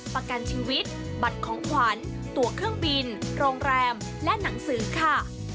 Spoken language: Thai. ประกันชีวิตบัตรของขวัญตัวเครื่องบินโรงแรมและหนังสือค่ะ